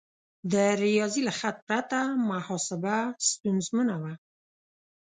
د ریاضي له خط پرته محاسبه ستونزمنه وه.